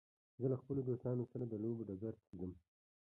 زه له خپلو دوستانو سره د لوبو ډګر ته ځم.